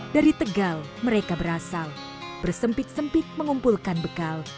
dari tegal mereka berasal bersempit sempit mengumpulkan bekal